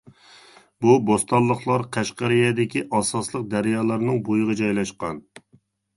بۇ بوستانلىقلار قەشقەرىيەدىكى ئاساسلىق دەريالارنىڭ بويىغا جايلاشقان.